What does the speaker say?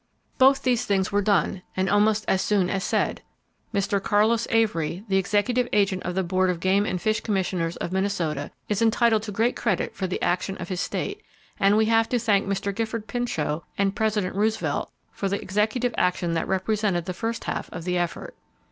Both those things were done,—almost as soon as said! Mr. Carlos Avery, the Executive Agent of the Board of Game and Fish Commissioners of Minnesota is entitled to great credit for the action of his state, and we have to thank Mr. Gifford Pinchot and President Roosevelt for the executive action that represented the first half of the effort.